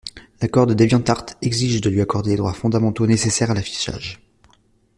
L'accord de DeviantArt exige de lui accorder les droits fondamentaux nécessaires à l'affichage.